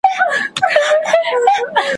شپږمه نکته.